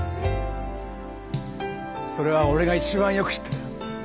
それは俺が一番よく知ってるよ。